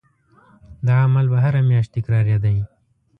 دا عمل به هره میاشت تکرارېدی.